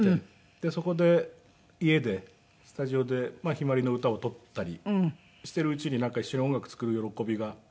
でそこで家でスタジオで向日葵の歌を録ったりしているうちになんか一緒に音楽作る喜びが。